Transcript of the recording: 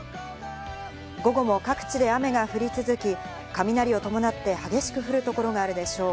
午後も各地で雨が降り続き、雷を伴って激しく降るところがあるでしょう。